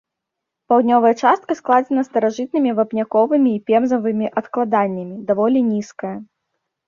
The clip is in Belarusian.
Паўднёвая частка складзена старажытнымі вапняковымі і пемзавымі адкладаннямі, даволі нізкая.